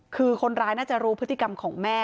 คือคนร้ายน่าจะรู้พฤติกรรมของแม่